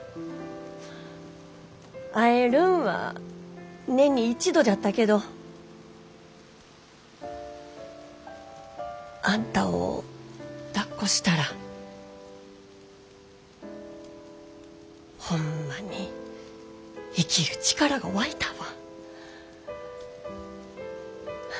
会えるんは年に一度じゃったけどあんたをだっこしたらホンマに生きる力が湧いたわ。